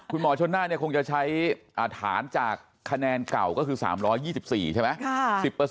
คุณหมอชนน่าเนี่ยคงจะใช้ฐานจากคะแนนเก่าก็คือ๓๒๔ใช่ไหม